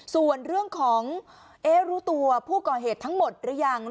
ส่วนเรื่องของรู้ตัวผู้ก่อเหตุทั้งหมดหรือยัง